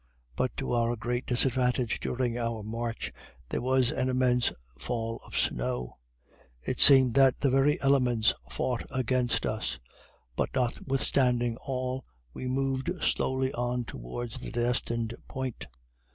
But to our great disadvantage during our march, there was an immense fall of snow. It seemed that the very elements fought against us. But notwithstanding all, we moved slowly on towards the destined point.